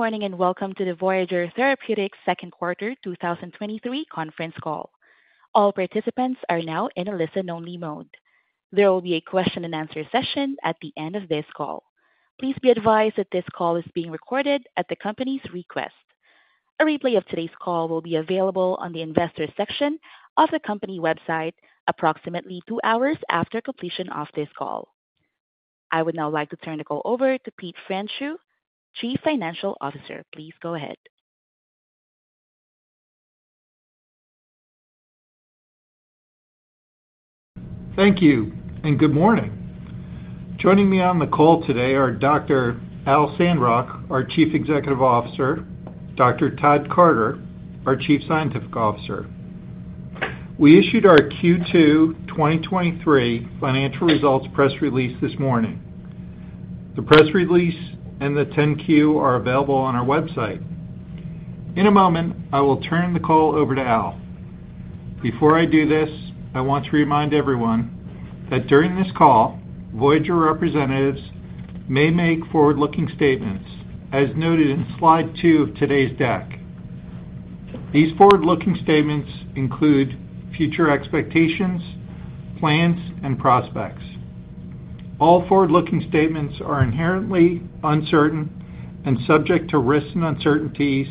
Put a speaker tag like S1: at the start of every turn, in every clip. S1: Good morning, and welcome to the Voyager Therapeutics Q2 2023 Conference Call. All participants are now in a listen-only mode. There will be a question-and-answer session at the end of this call. Please be advised that this call is being recorded at the company's request. A replay of today's call will be available on the Investors section of the company website approximately two hours after completion of this call. I would now like to turn the call over to Peter Pfreundschuh, Chief Financial Officer. Please go ahead.
S2: Thank you, and good morning. Joining me on the call today are Dr. Al Sandrock, our Chief Executive Officer, Dr. Todd Carter, our Chief Scientific Officer. We issued our Q2 2023 financial results press release this morning. The press release and the 10-Q are available on our website. In a moment, I will turn the call over to Al. Before I do this, I want to remind everyone that during this call, Voyager representatives may make forward-looking statements, as noted in Slide 2 of today's deck. These forward-looking statements include future expectations, plans, and prospects. All forward-looking statements are inherently uncertain and subject to risks and uncertainties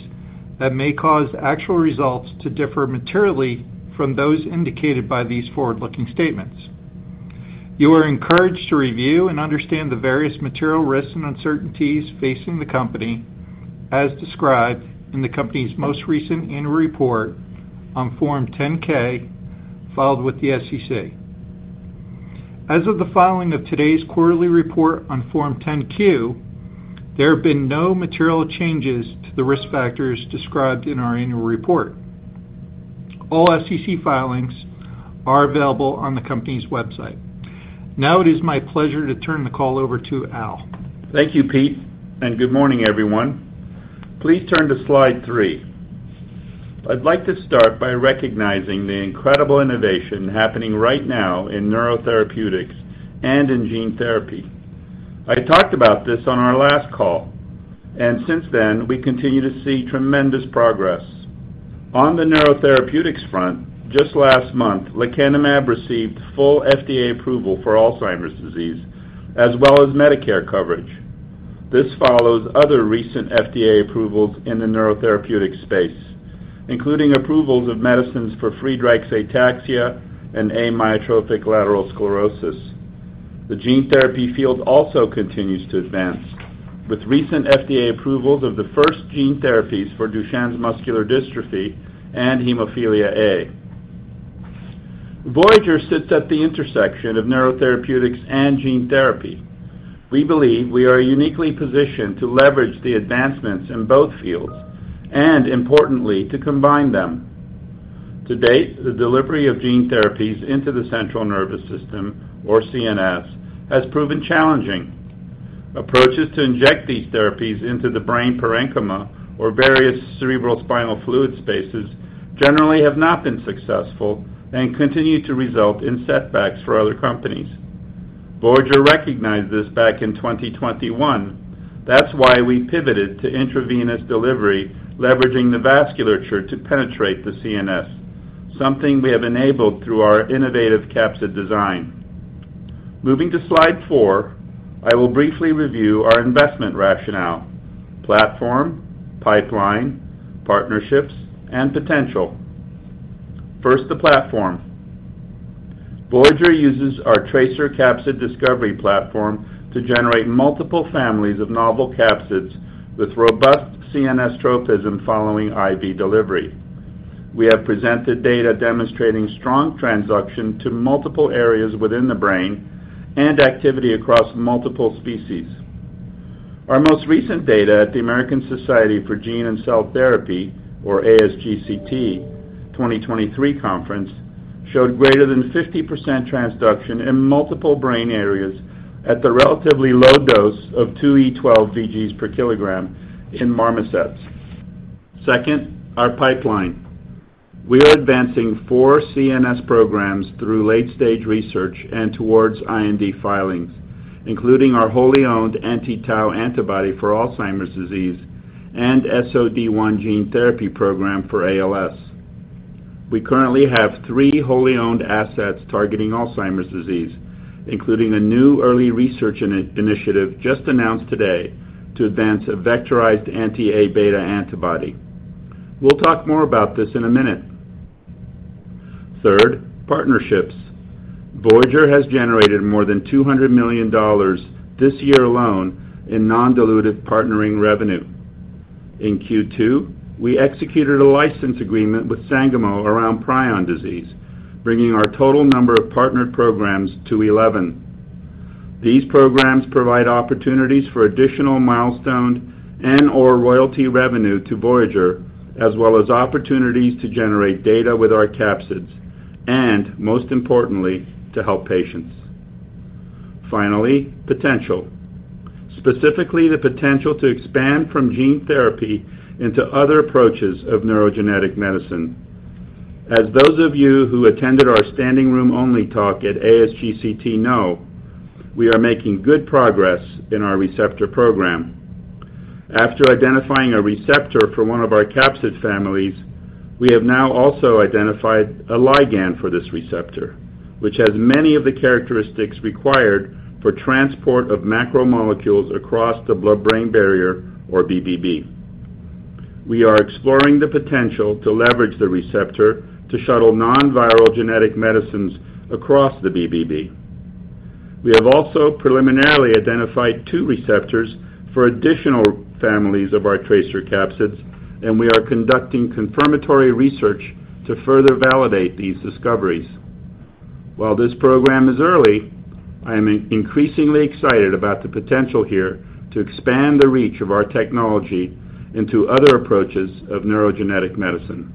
S2: that may cause actual results to differ materially from those indicated by these forward-looking statements. You are encouraged to review and understand the various material risks and uncertainties facing the Company, as described in the Company's most recent annual report on Form 10-K, filed with the SEC. As of the filing of today's quarterly report on Form 10-Q, there have been no material changes to the risk factors described in our annual report. All SEC filings are available on the company's website. Now it is my pleasure to turn the call over to Al.
S3: Thank you, Pete. Good morning, everyone. Please turn to Slide 3. I'd like to start by recognizing the incredible innovation happening right now in neurotherapeutics and in gene therapy. I talked about this on our last call, and since then, we continue to see tremendous progress. On the neurotherapeutics front, just last month, lecanemab received full FDA approval for Alzheimer's disease, as well as Medicare coverage. This follows other recent FDA approvals in the neurotherapeutic space, including approvals of medicines for Friedreich's ataxia and amyotrophic lateral sclerosis. The gene therapy field also continues to advance, with recent FDA approvals of the first gene therapies for Duchenne muscular dystrophy and hemophilia A. Voyager sits at the intersection of neurotherapeutics and gene therapy. We believe we are uniquely positioned to leverage the advancements in both fields and importantly, to combine them. To date, the delivery of gene therapies into the central nervous system or CNS, has proven challenging. Approaches to inject these therapies into the brain parenchyma or various cerebrospinal fluid spaces generally have not been successful and continue to result in setbacks for other companies. Voyager recognized this back in 2021. That's why we pivoted to intravenous delivery, leveraging the vasculature to penetrate the CNS, something we have enabled through our innovative capsid design. Moving to Slide 4, I will briefly review our investment rationale, platform, pipeline, partnerships, and potential. First, the platform. Voyager uses our TRACER capsid discovery platform to generate multiple families of novel capsids with robust CNS tropism following IV delivery. We have presented data demonstrating strong transduction to multiple areas within the brain and activity across multiple species. Our most recent data at the American Society for Gene and Cell Therapy, or ASGCT, 2023 conference, showed greater than 50% transduction in multiple brain areas at the relatively low dose of 2E12 VGs per kilogram in marmosets. Second, our pipeline. We are advancing four CNS programs through late-stage research and towards IND filings, including our wholly owned anti-tau antibody for Alzheimer's disease and SOD1 gene therapy program for ALS. We currently have three wholly owned assets targeting Alzheimer's disease, including a new early research initiative just announced today to advance a vectorized anti-A beta antibody. We'll talk more about this in a minute. Third, partnerships. Voyager has generated more than $200 million this year alone in non-dilutive partnering revenue. In Q2, we executed a license agreement with Sangamo around prion disease, bringing our total number of partnered programs to 11. These programs provide opportunities for additional milestone and/or royalty revenue to Voyager, as well as opportunities to generate data with our capsids, and most importantly, to help patients. Finally, potential, specifically the potential to expand from gene therapy into other approaches of neurogenetic medicine. Those of you who attended our standing room only talk at ASGCT know, we are making good progress in our receptor program. After identifying a receptor for one of our capsid families, we have now also identified a ligand for this receptor, which has many of the characteristics required for transport of macromolecules across the blood-brain barrier or BBB. We are exploring the potential to leverage the receptor to shuttle non-viral genetic medicines across the BBB. We have also preliminarily identified 2 receptors for additional families of our tracer capsids, and we are conducting confirmatory research to further validate these discoveries. While this program is early, I am increasingly excited about the potential here to expand the reach of our technology into other approaches of neurogenetic medicine.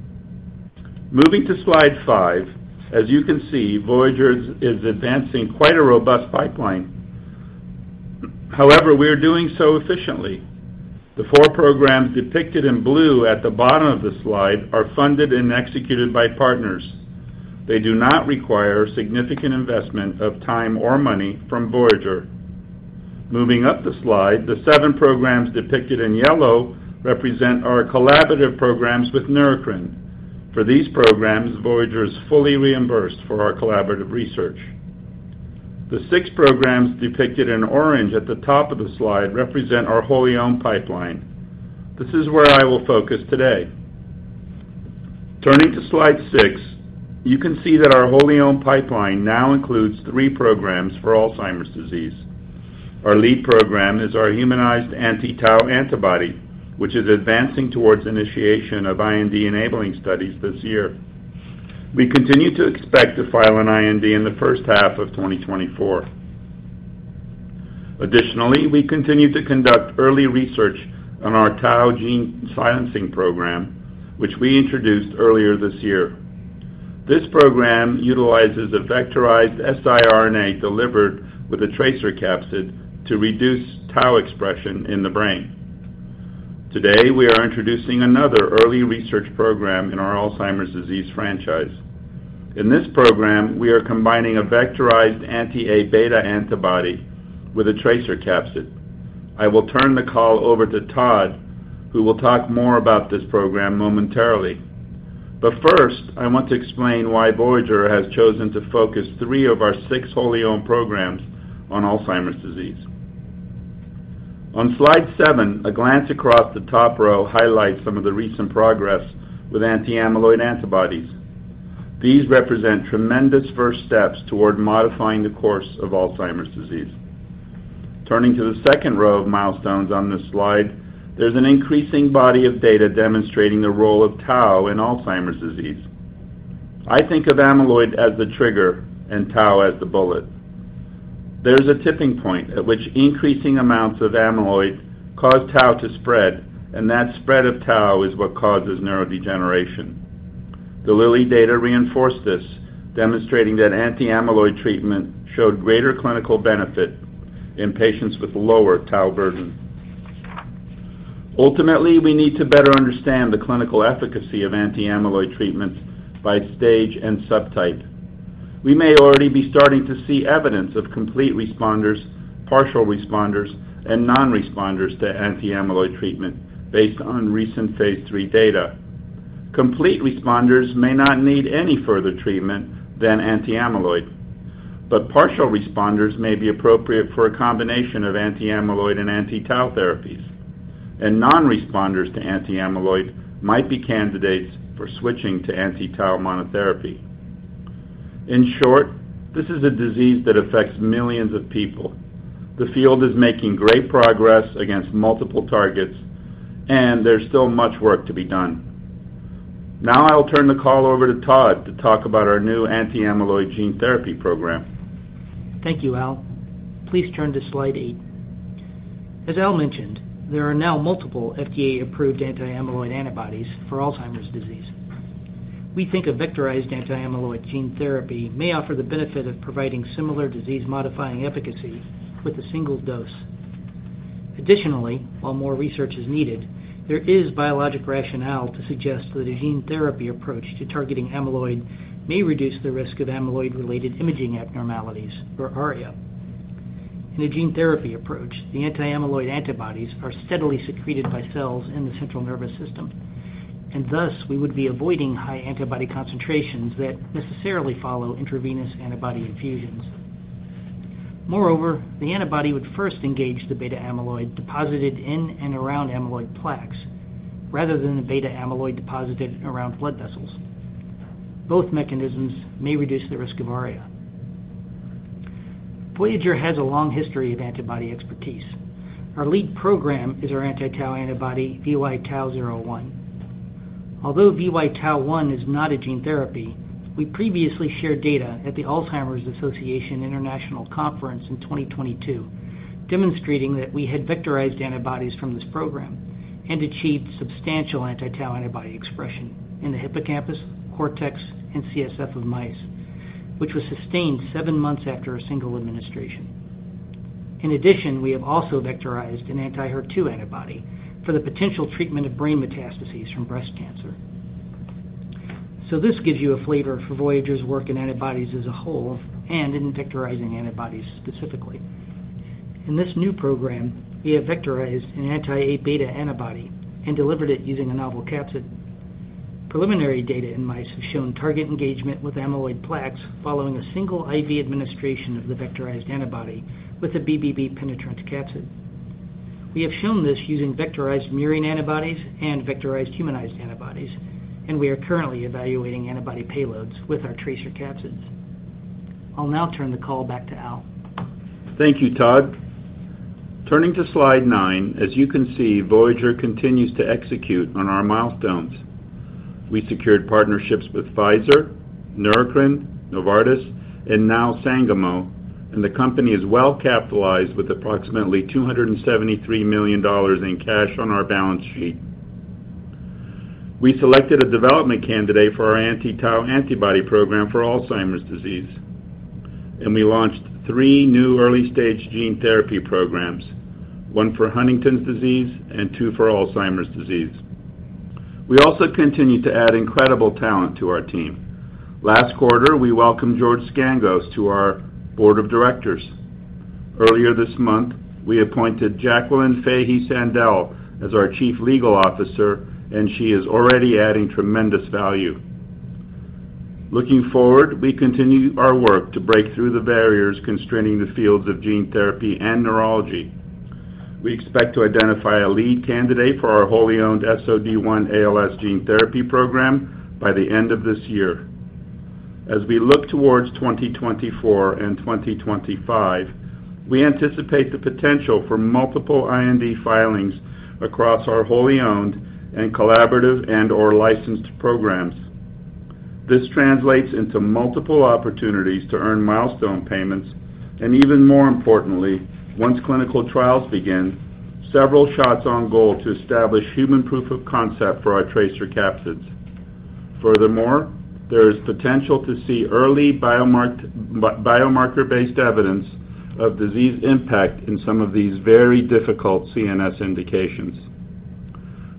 S3: Moving to Slide 5, as you can see, Voyager is advancing quite a robust pipeline. However, we are doing so efficiently. The 4 programs depicted in blue at the bottom of the slide are funded and executed by partners. They do not require significant investment of time or money from Voyager. Moving up the Slide, the 7 programs depicted in yellow represent our collaborative programs with Neurocrine. For these programs, Voyager is fully reimbursed for our collaborative research. The 6 programs depicted in orange at the top of the slide represent our wholly owned pipeline. This is where I will focus today. Turning to Slide 6, you can see that our wholly owned pipeline now includes 3 programs for Alzheimer's disease. Our lead program is our humanized anti-tau antibody, which is advancing towards initiation of IND enabling studies this year. We continue to expect to file an IND in the first half of 2024. Additionally, we continue to conduct early research on our tau gene silencing program, which we introduced earlier this year. This program utilizes a vectorized siRNA delivered with a TRACER capsid to reduce tau expression in the brain. Today, we are introducing another early research program in our Alzheimer's disease franchise. In this program, we are combining a vectorized anti-A beta antibody with a TRACER capsid. I will turn the call over to Todd, who will talk more about this program momentarily. But first, I want to explain why Voyager has chosen to focus 3 of our 6 wholly owned programs on Alzheimer's disease. On Slide 7, a glance across the top row highlights some of the recent progress with anti-amyloid antibodies. These represent tremendous first steps toward modifying the course of Alzheimer's disease. Turning to the second row of milestones on this slide, there's an increasing body of data demonstrating the role of tau in Alzheimer's disease. I think of amyloid as the trigger and tau as the bullet. There's a tipping point at which increasing amounts of amyloid cause tau to spread, and that spread of tau is what causes neurodegeneration. The Lilly data reinforced this, demonstrating that anti-amyloid treatment showed greater clinical benefit in patients with lower tau burden. Ultimately, we need to better understand the clinical efficacy of anti-amyloid treatments by stage and subtype. We may already be starting to see evidence of complete responders, partial responders, and non-responders to anti-amyloid treatment based on recent phase 3 data. Complete responders may not need any further treatment than anti-amyloid, but partial responders may be appropriate for a combination of anti-amyloid and anti-tau therapies, and non-responders to anti-amyloid might be candidates for switching to anti-tau monotherapy. In short, this is a disease that affects millions of people. The field is making great progress against multiple targets, and there's still much work to be done. I'll turn the call over to Todd to talk about our new anti-amyloid gene therapy program.
S4: Thank you, Al. Please turn to Slide 8. As Al mentioned, there are now multiple FDA-approved anti-amyloid antibodies for Alzheimer's disease. We think a vectorized anti-amyloid gene therapy may offer the benefit of providing similar disease-modifying efficacy with a single dose. Additionally, while more research is needed, there is biologic rationale to suggest that a gene therapy approach to targeting amyloid may reduce the risk of amyloid-related imaging abnormalities or ARIA. In a gene therapy approach, the anti-amyloid antibodies are steadily secreted by cells in the central nervous system, and thus we would be avoiding high antibody concentrations that necessarily follow intravenous antibody infusions. Moreover, the antibody would first engage the beta amyloid deposited in and around amyloid plaques, rather than the beta amyloid deposited around blood vessels. Both mechanisms may reduce the risk of ARIA. Voyager has a long history of antibody expertise. Our lead program is our anti-tau antibody, VY-TAU01. Although VY-TAU01 is not a gene therapy, we previously shared data at the Alzheimer's Association International Conference in 2022, demonstrating that we had vectorized antibodies from this program and achieved substantial anti-tau antibody expression in the hippocampus, cortex, and CSF of mice, which was sustained 7 months after a single administration. In addition, we have also vectorized an anti-HER2 antibody for the potential treatment of brain metastases from breast cancer. This gives you a flavor for Voyager's work in antibodies as a whole, and in vectorizing antibodies specifically. In this new program, we have vectorized an anti-Abeta antibody and delivered it using a novel capsid. Preliminary data in mice have shown target engagement with amyloid plaques following a single IV administration of the vectorized antibody with a BBB penetrant capsid. We have shown this using vectorized murine antibodies and vectorized humanized antibodies. We are currently evaluating antibody payloads with our TRACER capsids. I'll now turn the call back to Al.
S3: Thank you, Todd. Turning to Slide 9, as you can see, Voyager continues to execute on our milestones. We secured partnerships with Pfizer, Neurocrine, Novartis, and now Sangamo, the company is well capitalized with approximately $273 million in cash on our balance sheet. We selected a development candidate for our anti-tau antibody program for Alzheimer's disease, we launched 3 new early-stage gene therapy programs, 1 for Huntington's disease and 2 for Alzheimer's disease. We also continued to add incredible talent to our team. Last quarter, we welcomed George Scangos to our board of directors. Earlier this month, we appointed Jacqueline Fahey Sandell as our Chief Legal Officer, she is already adding tremendous value. Looking forward, we continue our work to break through the barriers constraining the fields of gene therapy and neurology. We expect to identify a lead candidate for our wholly owned SOD1 ALS gene therapy program by the end of this year. As we look towards 2024 and 2025, we anticipate the potential for multiple IND filings across our wholly owned and collaborative and/or licensed programs. This translates into multiple opportunities to earn milestone payments, and even more importantly, once clinical trials begin, several shots on goal to establish human proof of concept for our tracer capsids. Furthermore, there is potential to see early biomarker-based evidence of disease impact in some of these very difficult CNS indications.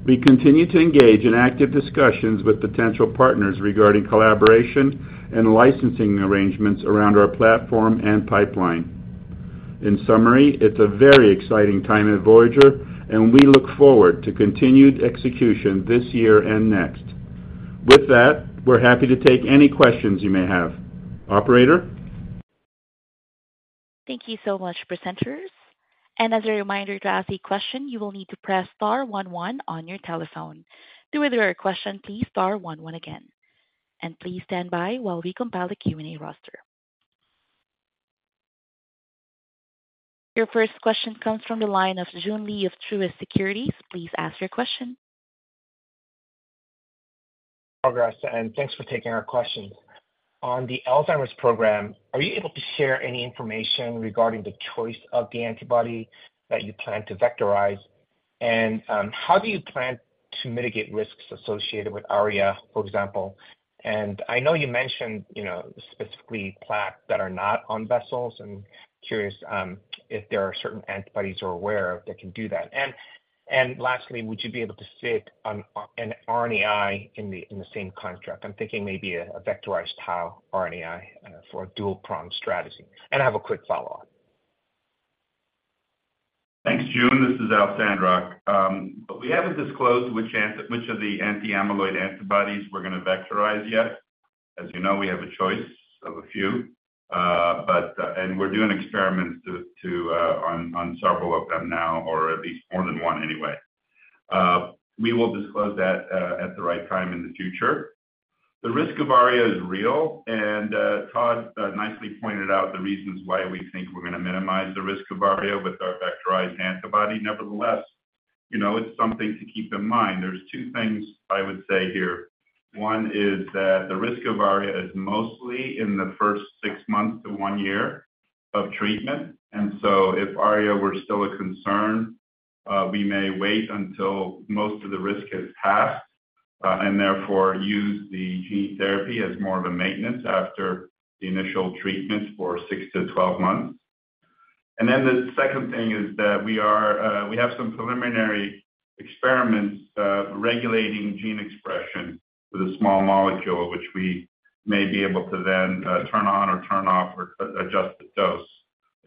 S3: We continue to engage in active discussions with potential partners regarding collaboration and licensing arrangements around our platform and pipeline. In summary, it's a very exciting time at Voyager, and we look forward to continued execution this year and next. With that, we're happy to take any questions you may have. Operator?
S1: Thank you so much, presenters. As a reminder, to ask a question, you will need to press star one, one on your telephone. To withdraw your question, please star one, one again, and please stand by while we compile a Q&A roster. Your first question comes from the line of Joon Lee of Truist Securities. Please ask your question.
S5: Progress, and thanks for taking our questions. On the Alzheimer's program, are you able to share any information regarding the choice of the antibody that you plan to vectorize? How do you plan to mitigate risks associated with ARIA, for example? I know you mentioned, you know, specifically plaques that are not on vessels, and curious if there are certain antibodies you're aware of that can do that. Lastly, would you be able to fit on an RNAi in the, in the same contract? I'm thinking maybe a vectorized tau RNAi for a dual-pronged strategy. I have a quick follow-up.
S3: Thanks, Jun. This is Al Sandrock. We haven't disclosed which anti-- which of the anti-amyloid antibodies we're going to vectorize yet. As you know, we have a choice of a few, but, and we're doing experiments to, to, on, on several of them now, or at least more than one anyway. We will disclose that at the right time in the future. The risk of ARIA is real, and Todd nicely pointed out the reasons why we think we're going to minimize the risk of ARIA with our vectorized antibody. Nevertheless, you know, it's something to keep in mind. There's two things I would say here. One is that the risk of ARIA is mostly in the first 6 months to 1 year of treatment, and so if ARIA were still a concern, we may wait until most of the risk has passed, and therefore use the gene therapy as more of a maintenance after the initial treatments for 6-12 months. And then the second thing is that we are, we have some preliminary experiments, regulating gene expression with a small molecule, which we may be able to then, turn on or turn off or adjust the dose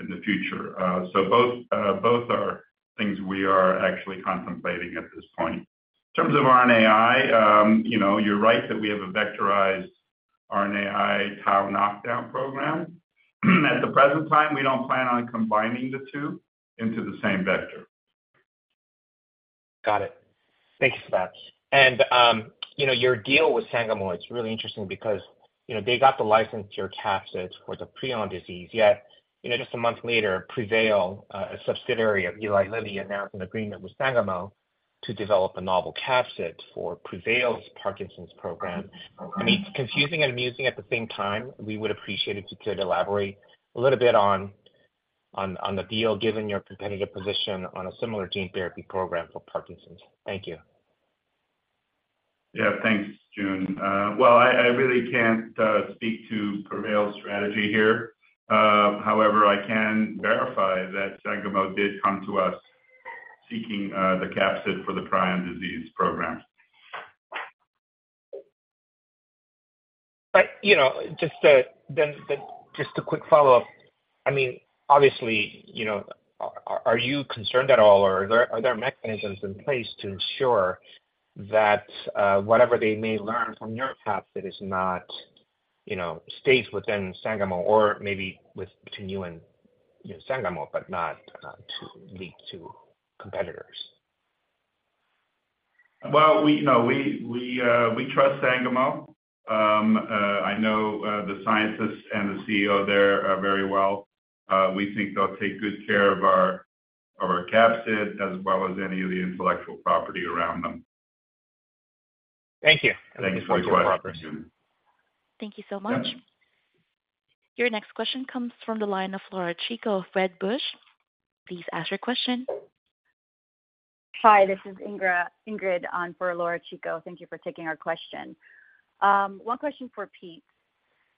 S3: in the future. Both, both are things we are actually contemplating at this point. In terms of RNAi, you know, you're right that we have a vectorized RNAi tau knockdown program. At the present time, we don't plan on combining the two into the same vector.
S5: Got it. Thanks for that. You know, your deal with Sangamo, it's really interesting because, you know, they got the license to your capsids for the prion disease, yet, you know, just 1 month later, Prevail, a subsidiary of Eli Lilly, announced an agreement with Sangamo to develop a novel capsid for Prevail's Parkinson's program. I mean, it's confusing and amusing at the same time. We would appreciate it if you could elaborate a little bit on, on, on the deal, given your competitive position on a similar gene therapy program for Parkinson's. Thank you.
S3: Yeah, thanks, Joon. well, I, I really can't speak to Prevail's strategy here. however, I can verify that Sangamo did come to us seeking the capsid for the prion disease program.
S5: You know, just, then, then just a quick follow-up. I mean, obviously, you know, are, are, are you concerned at all, or are there, are there mechanisms in place to ensure that, whatever they may learn from your capsid is not, you know, stays within Sangamo or maybe with between you and, you know, Sangamo, but not, to leak to competitors?
S3: Well, we, you know, we, we, we trust Sangamo. I know the scientists and the CEO there, very well. We think they'll take good care of our, of our capsid as well as any of the intellectual property around them.
S5: Thank you.
S3: Thanks for your question, Joon.
S1: Thank you so much.
S3: Yeah.
S1: Your next question comes from the line of Laura Chico, Wedbush. Please ask your question.
S6: Hi, this is Ingrid, Ingrid on for Laura Chico. Thank Thank you for taking our question. 1 question for Pete.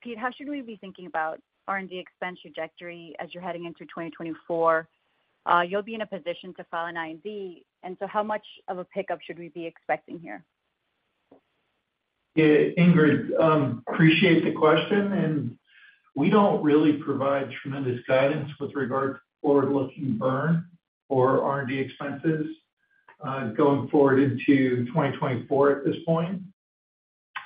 S6: Pete, how should we be thinking about R&D expense trajectory as you're heading into 2024? You'll be in a position to file an IND, and so how much of a pickup should we be expecting here?
S2: Yeah, Ingrid, appreciate the question. We don't really provide tremendous guidance with regard to forward-looking burn or R&D expenses going forward into 2024 at this point.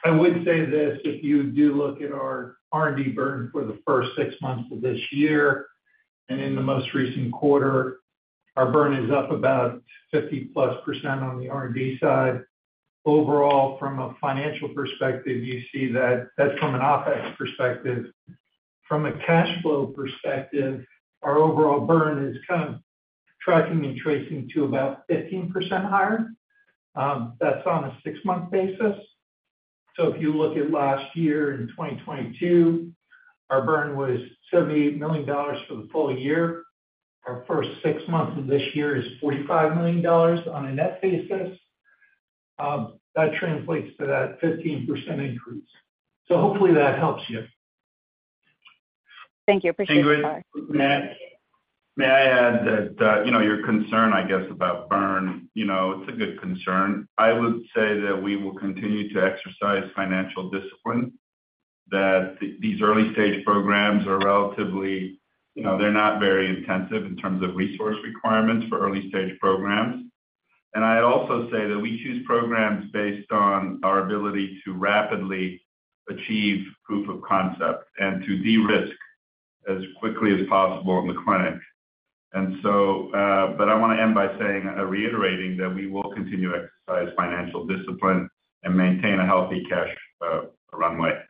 S2: I would say this, if you do look at our R&D burn for the first six months of this year, and in the most recent quarter, our burn is up about 50%+ on the R&D side. Overall, from a financial perspective, you see that that's from an OpEx perspective. From a cash flow perspective, our overall burn is kind of tracking and tracing to about 15% higher. That's on a six-month basis. If you look at last year in 2022, our burn was $78 million for the full year. Our first six months of this year is $45 million on a net basis. That translates to that 15% increase. Hopefully that helps you.
S6: Thank you. Appreciate the time.
S3: Ingrid, may I, may I add that, you know, your concern, I guess, about burn, you know, it's a good concern. I would say that we will continue to exercise financial discipline, that these early-stage programs are relatively, you know, they're not very intensive in terms of resource requirements for early-stage programs. I'd also say that we choose programs based on our ability to rapidly achieve proof of concept and to de-risk as quickly as possible in the clinic. But I wanna end by saying, reiterating that we will continue to exercise financial discipline and maintain a healthy cash, runway.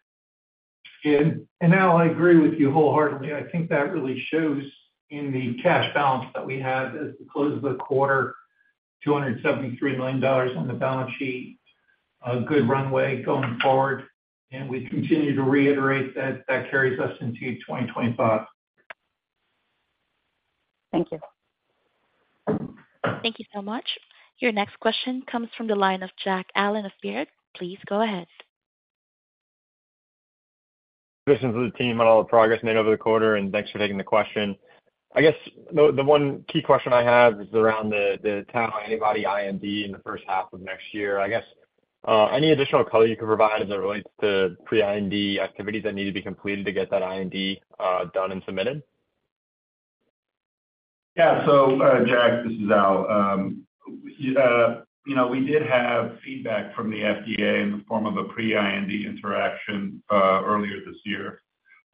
S2: Al, I agree with you wholeheartedly. I think that really shows in the cash balance that we had as we close the quarter, $273 million on the balance sheet, a good runway going forward, and we continue to reiterate that that carries us into 2025.
S6: Thank you.
S1: Thank you so much. Your next question comes from the line of Jack Allen of Baird. Please go ahead.
S7: Congratulations to the team on all the progress made over the quarter, and thanks for taking the question. I guess the one key question I have is around the tau antibody IND in the first half of next year. I guess, any additional color you can provide as it relates to pre-IND activities that need to be completed to get that IND done and submitted?
S3: Yeah. Jack, this is Al. You know, we did have feedback from the FDA in the form of a pre-IND interaction earlier this year.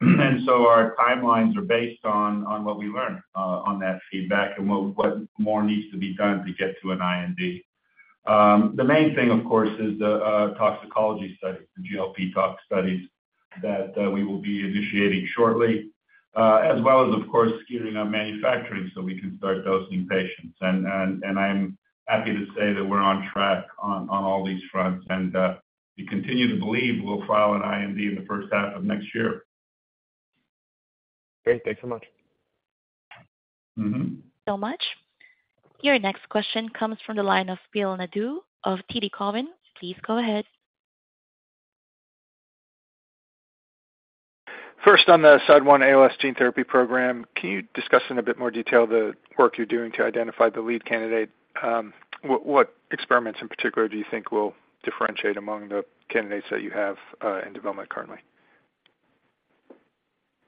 S3: Our timelines are based on, on what we learned on that feedback and what, what more needs to be done to get to an IND. The main thing, of course, is the toxicology study, the GLP tox studies, that we will be initiating shortly, as well as, of course, gearing up manufacturing so we can start dosing patients. And, and I'm happy to say that we're on track on, on all these fronts, and we continue to believe we'll file an IND in the first half of next year.
S7: Great. Thanks so much.
S1: Much. Your next question comes from the line of Phil Nadeau of TD Cowen. Please go ahead.
S8: First, on the SOD1 ALS gene therapy program, can you discuss in a bit more detail the work you're doing to identify the lead candidate? What, what experiments in particular do you think will differentiate among the candidates that you have, in development currently?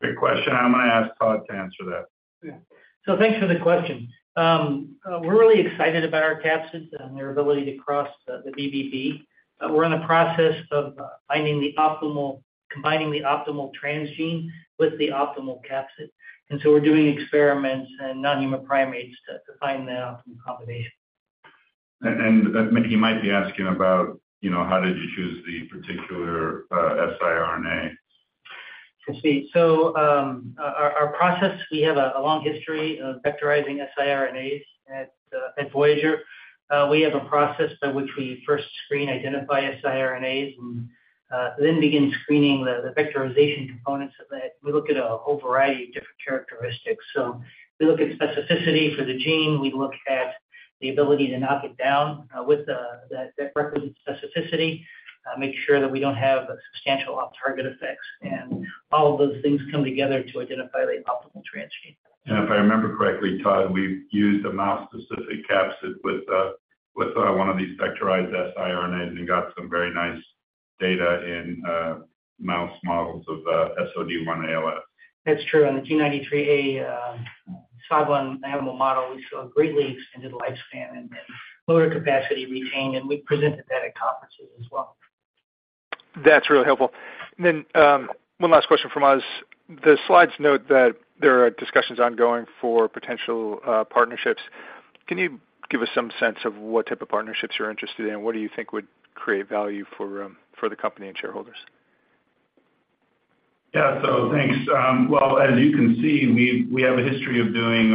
S3: Great question. I'm gonna ask Todd to answer that.
S4: Yeah. Thanks for the question. We're really excited about our capsids and their ability to cross the BBB. We're in the process of finding combining the optimal transgene with the optimal capsid. We're doing experiments in non-human primates to find that optimal combination.
S3: And he might be asking about, you know, how did you choose the particular siRNA?
S4: I see. Our, our process, we have a long history of vectorizing siRNAs at Voyager. We have a process by which we first screen, identify siRNAs, and then begin screening the vectorization components of that. We look at a whole variety of different characteristics. We look at specificity for the gene, we look at the ability to knock it down, with the, that, that represents specificity, make sure that we don't have substantial off-target effects. All of those things come together to identify the optimal transcript.
S3: If I remember correctly, Todd, we've used a mouse-specific capsid with, with one of these vectorized siRNAs and got some very nice data in mouse models of SOD1 ALS.
S4: That's true. On the T93A, SOD1 animal model, we saw a greatly extended lifespan and motor capacity retained, and we presented that at conferences as well.
S8: That's really helpful. One last question from us. The slides note that there are discussions ongoing for potential partnerships. Can you give us some sense of what type of partnerships you're interested in? What do you think would create value for the company and shareholders?
S3: Yeah. Thanks. Well, as you can see, we, we have a history of doing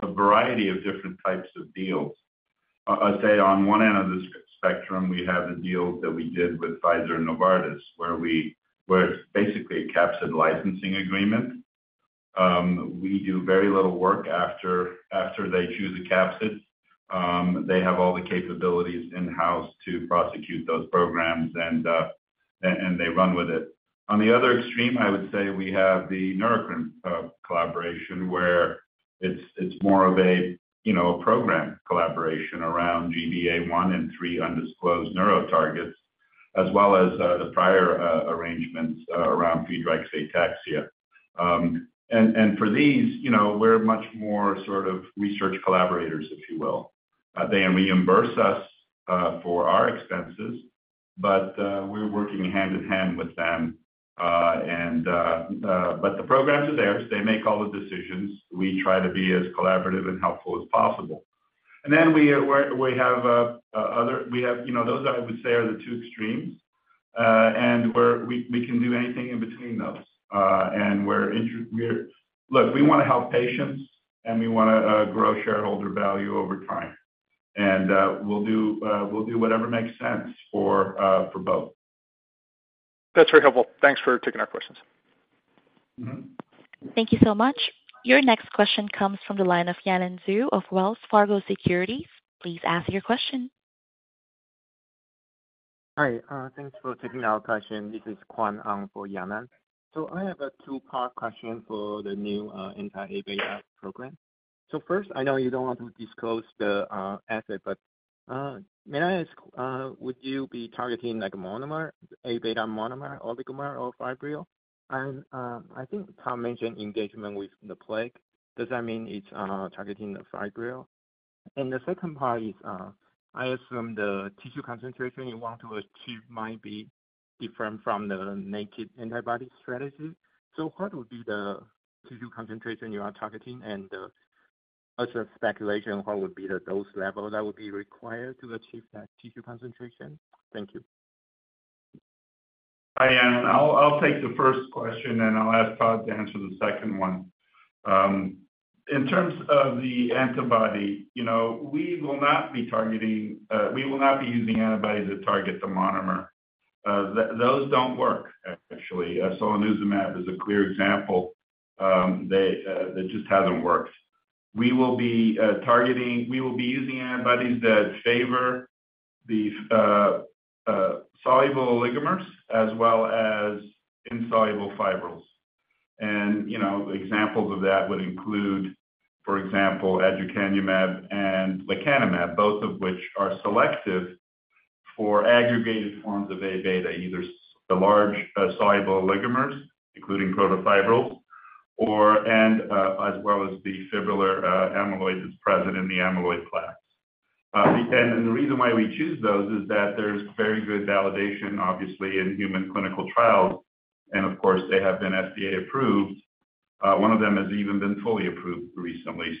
S3: a variety of different types of deals. I'd say on one end of the spectrum, we have a deal that we did with Pfizer and Novartis, where it's basically a capsid licensing agreement. We do very little work after, after they choose a capsid. They have all the capabilities in-house to prosecute those programs, and, and they run with it. On the other extreme, I would say we have the Neurocrine collaboration, where it's, it's more of a, you know, a program collaboration around GBA1 and three undisclosed neuro targets, as well as the prior arrangements around Friedreich's ataxia. And, and for these, you know, we're much more sort of research collaborators, if you will. They reimburse us for our expenses, but we're working hand-in-hand with them. The programs are theirs. They make all the decisions. We try to be as collaborative and helpful as possible. Then we, we, we have other we have, you know, those, I would say, are the two extremes. We, we can do anything in between those. Look, we wanna help patients, and we wanna grow shareholder value over time. We'll do, we'll do whatever makes sense for both.
S8: That's very helpful. Thanks for taking our questions.
S1: Thank you so much. Your next question comes from the line of Yanan Zhu of Wells Fargo Securities. Please ask your question.
S9: Hi, thanks for taking our question. This is Kuan-Hung Lin for Yanan. I have a two-part question for the new anti-Abeta program. First, I know you don't want to disclose the asset, but may I ask, would you be targeting, like, monomer, Abeta monomer, oligomer, or fibril? I think Tom mentioned engagement with the plaque. Does that mean it's targeting the fibril? The second part is, I assume the tissue concentration you want to achieve might be different from the naked antibody strategy. What would be the tissue concentration you are targeting and also speculation, what would be the dose level that would be required to achieve that tissue concentration? Thank you.
S3: Hi, Yanan. I'll take the first question, and I'll ask Todd to answer the second one. In terms of the antibody, you know, we will not be targeting. We will not be using antibodies that target the monomer. Those don't work, actually. Solanezumab is a clear example. It just hasn't worked. We will be targeting. We will be using antibodies that favor the soluble oligomers as well as insoluble fibrils. You know, examples of that would include, for example, aducanumab and lecanemab, both of which are selective for aggregated forms of Abeta, either the large soluble oligomers, including protofibrils, or as well as the fibrillar amyloid that's present in the amyloid plaques. The reason why we choose those is that there's very good validation, obviously, in human clinical trials, and of course, they have been FDA approved. One of them has even been fully approved recently.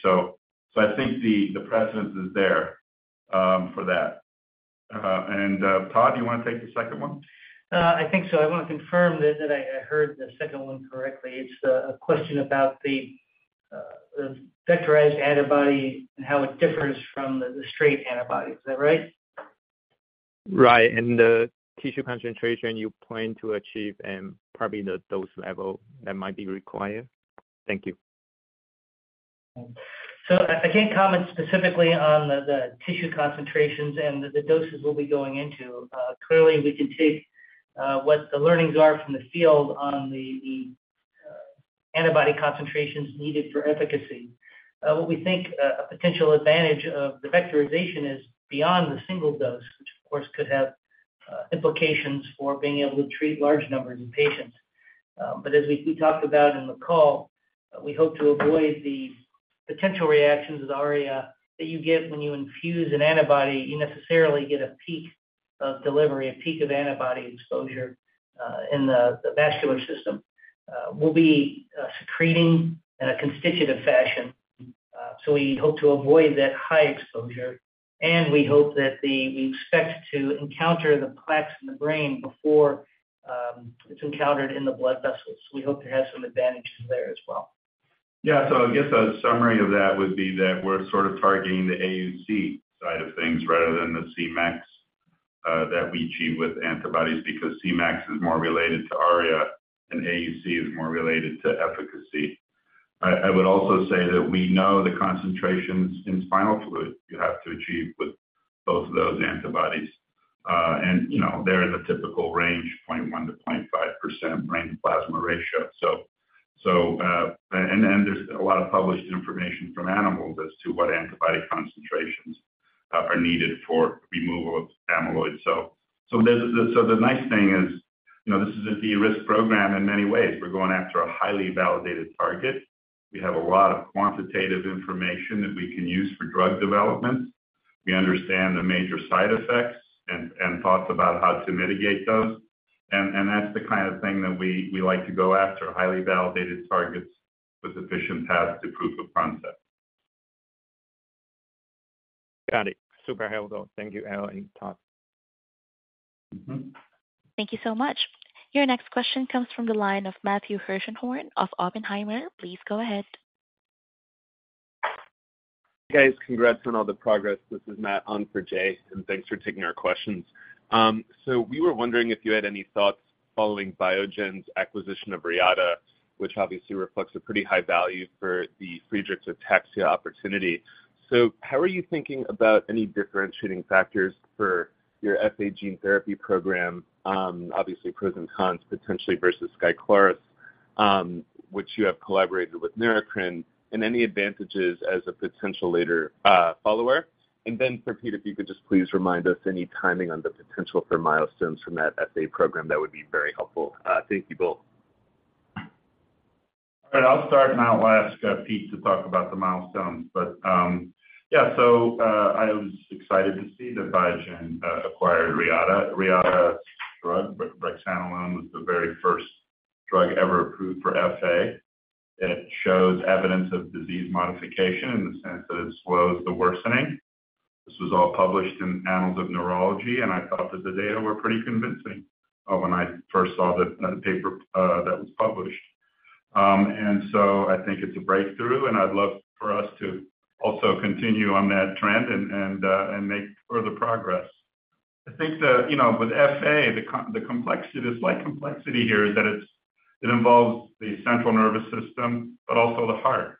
S3: I think the, the precedence is there for that. Todd, do you wanna take the second one?
S4: I think so. I wanna confirm that, that I, I heard the second one correctly. It's a, a question about the, the vectorized antibody and how it differs from the, the straight antibody. Is that right?
S9: Right. The tissue concentration you plan to achieve and probably the dose level that might be required. Thank you.
S4: I, I can't comment specifically on the, the tissue concentrations and the doses we'll be going into. Clearly, we can take what the learnings are from the field on the, the antibody concentrations needed for efficacy. What we think a potential advantage of the vectorization is beyond the single dose, which of course could have implications for being able to treat large numbers of patients. As we, we talked about in the call, we hope to avoid the potential reactions with ARIA that you get when you infuse an antibody, you necessarily get a peak of delivery, a peak of antibody exposure in the, the vascular system. We'll be secreting in a constitutive fashion, so we hope to avoid that high exposure, and we expect to encounter the plaques in the brain before it's encountered in the blood vessels. We hope to have some advantages there as well.
S3: Yeah. I guess a summary of that would be that we're sort of targeting the AUC side of things rather than the Cmax that we achieve with antibodies, because Cmax is more related to ARIA and AUC is more related to efficacy. I, I would also say that we know the concentrations in spinal fluid you have to achieve with both of those antibodies. You know, they're in the typical range, 0.1%-0.5% brain plasma ratio. And there's a lot of published information from animals as to what antibody concentrations are needed for removal of amyloid. The nice thing is, you know, this is a de-risk program in many ways. We're going after a highly validated target. We have a lot of quantitative information that we can use for drug development. We understand the major side effects and thoughts about how to mitigate those. That's the kind of thing that we like to go after, highly validated targets with efficient path to proof of concept.
S9: Got it. Super helpful. Thank you, Al and Todd.
S1: Thank you so much. Your next question comes from the line of Matthew Hershenhorn of Oppenheimer. Please go ahead.
S10: Guys, congrats on all the progress. This is Matt on for Jay, thanks for taking our questions. We were wondering if you had any thoughts following Biogen's acquisition of Reata, which obviously reflects a pretty high value for the Friedreich's ataxia opportunity. How are you thinking about any differentiating factors for your FA gene therapy program, obviously, pros and cons, potentially, versus SKYCLARYS, which you have collaborated with Neurocrine, and any advantages as a potential later follower? Then for Pete, if you could just please remind us any timing on the potential for milestones from that FA program, that would be very helpful. Thank you both.
S3: All right, I'll start, and I'll ask Pete to talk about the milestones. Yeah, I was excited to see that Biogen acquired Reata. Reata drug, omaveloxolone, was the very first drug ever approved for FA. It shows evidence of disease modification in the sense that it slows the worsening. This was all published in Annals of Neurology, and I thought that the data were pretty convincing when I first saw the, the paper that was published. I think it's a breakthrough, and I'd love for us to also continue on that trend and, and make further progress. I think that, you know, with FA, the complexity, the slight complexity here is that it's, it involves the central nervous system, but also the heart.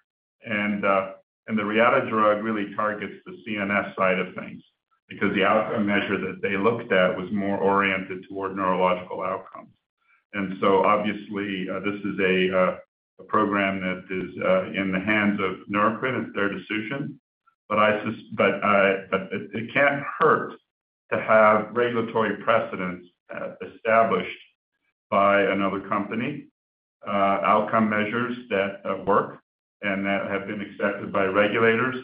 S3: The Reata drug really targets the CNS side of things because the outcome measure that they looked at was more oriented toward neurological outcomes. Obviously, this is a program that is in the hands of Neurocrine. It's their decision, but it can't hurt to have regulatory precedents established by another company, outcome measures that work and that have been accepted by regulators.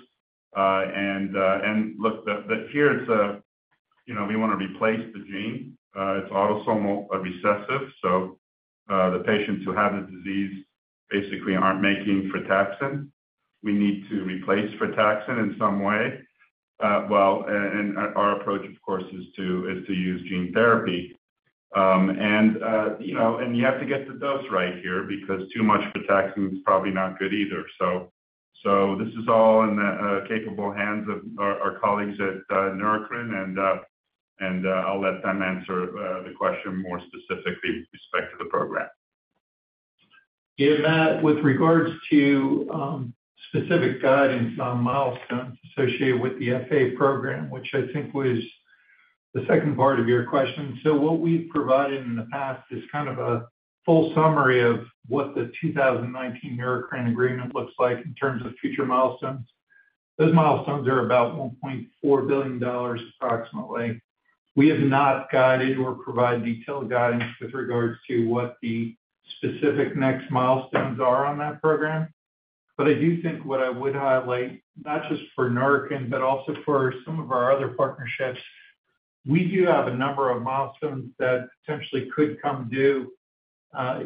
S3: Look, but here it's a, you know, we want to replace the gene. It's autosomal recessive, so the patients who have the disease basically aren't making frataxin. We need to replace frataxin in some way. Well, and our approach, of course, is to, is to use gene therapy. You know, you have to get the dose right here because too much frataxin is probably not good either. This is all in the capable hands of our colleagues at Neurocrine, and I'll let them answer the question more specifically with respect to the program.
S2: Yeah, Matt, with regards to specific guidance on milestones associated with the FA program, which I think was the second part of your question. What we've provided in the past is kind of a full summary of what the 2019 Neurocrine agreement looks like in terms of future milestones. Those milestones are about $1.4 billion, approximately. We have not guided or provided detailed guidance with regards to what the specific next milestones are on that program. I do think what I would highlight, not just for Neurocrine, but also for some of our other partnerships, we do have a number of milestones that potentially could come due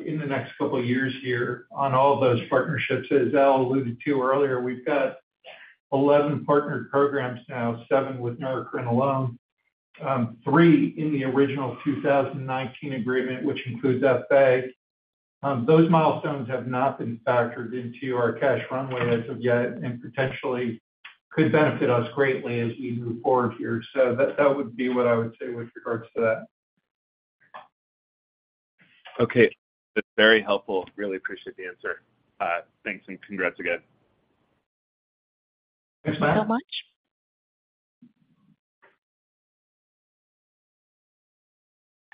S2: in the next couple of years here on all those partnerships. As Al alluded to earlier, we've got 11 partnered programs now, 7 with Neurocrine alone, 3 in the original 2019 agreement, which includes FA. Those milestones have not been factored into our cash runway as of yet, and potentially could benefit us greatly as we move forward here. That, that would be what I would say with regards to that.
S10: Okay. That's very helpful. Really appreciate the answer. Thanks and congrats again.
S2: Thanks, Matt.
S1: Thank you so much.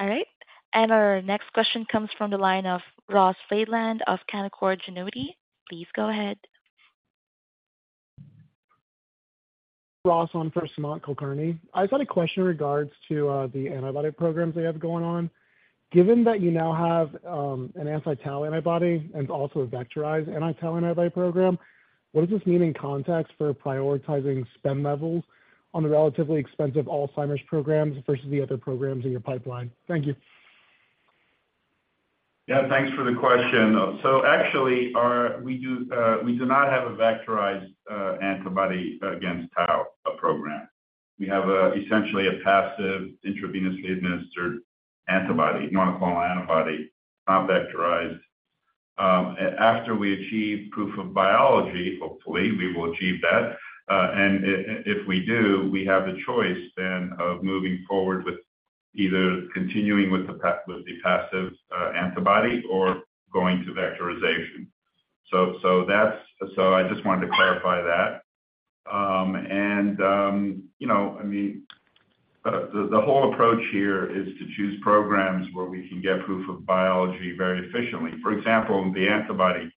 S1: All right, our next question comes from the line of Ross Feinsilver of Canaccord Genuity. Please go ahead.
S11: Ross, on for Sumant Kulkarni. I just had a question in regards to the antibody programs they have going on. Given that you now have an anti-tau antibody and also a vectorized anti-tau antibody program, what does this mean in context for prioritizing spend levels on the relatively expensive Alzheimer's programs versus the other programs in your pipeline? Thank you.
S3: Yeah, thanks for the question. Actually, we do not have a vectorized antibody against tau program. We have essentially a passive intravenously administered antibody, monoclonal antibody, not vectorized. After we achieve proof of biology, hopefully, we will achieve that, and if we do, we have the choice then of moving forward with either continuing with the passive antibody or going to vectorization. I just wanted to clarify that. And, you know, I mean, the whole approach here is to choose programs where we can get proof of biology very efficiently. For example, the antibody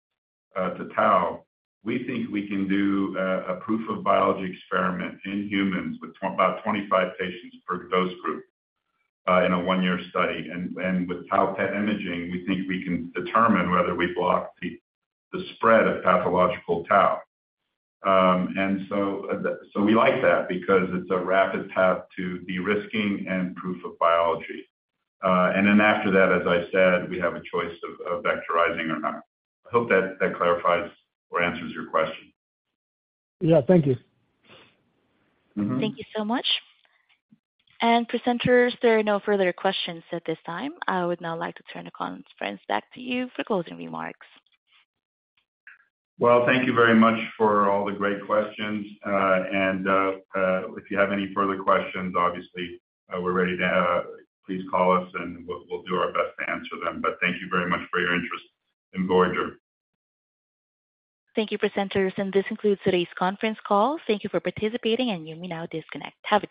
S3: to tau, we think we can do a proof of biology experiment in humans with about 25 patients per dose group in a 1-year study. With tau PET imaging, we think we can determine whether we block the spread of pathological tau. We like that because it's a rapid path to de-risking and proof of biology. After that, as I said, we have a choice of vectorizing or not. I hope that clarifies or answers your question.
S11: Yeah, thank you.
S1: Thank you so much. Presenters, there are no further questions at this time. I would now like to turn the conference back to you for closing remarks.
S3: Well, thank you very much for all the great questions. If you have any further questions, obviously, we're ready to... Please call us, and we'll, we'll do our best to answer them. Thank you very much for your interest in Voyager.
S1: Thank you, presenters. This concludes today's conference call. Thank you for participating. You may now disconnect. Have a good day.